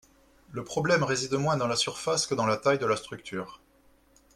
Le problème réside moins dans la surface que dans la taille de la structure.